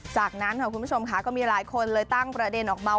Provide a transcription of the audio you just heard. จากนั้นค่ะคุณผู้ชมค่ะก็มีหลายคนเลยตั้งประเด็นออกมา